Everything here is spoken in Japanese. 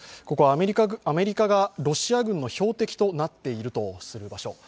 ここはアメリカが、ロシア軍の標的となっているとする場所。